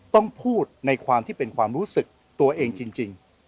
ต้องพูดในความที่เป็นความรู้สึกตัวเองจริง